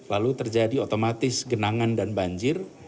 lalu terjadi otomatis genangan dan banjir